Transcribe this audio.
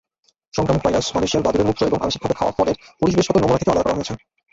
সংক্রামক ভাইরাস মালয়েশিয়ায় বাদুড়ের মূত্র এবং আংশিকভাবে খাওয়া ফলের পরিবেশগত নমুনা থেকেও আলাদা করা হয়েছে।